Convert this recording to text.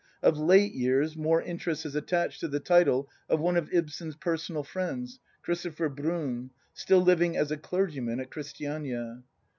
Of late years more interest has attached to the title of one of Ibsen's personal friends, Christopher Bruun, — still living, as a clergyman, at Christiania.